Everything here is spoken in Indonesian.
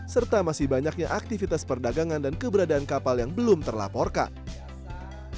serta masih banyaknya aktivitas perdagangan dan keberadaan kapal yang belum terlaporkan